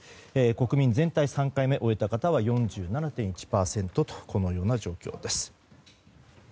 国民全体３回目終えた方は４７．１％という状況です。